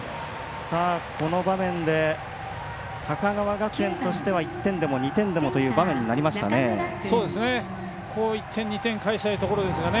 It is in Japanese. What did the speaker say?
この場面で高川学園としては１点でも２点でもという場面になりましたね。